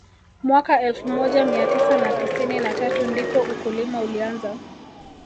Mwaka elfu moja mia tisa na tisini na tatu ndipo ukulima ulianza